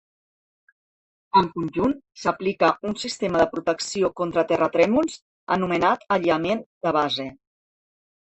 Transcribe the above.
En conjunt, s'aplica un sistema de protecció contra terratrèmols anomenat aïllament de base.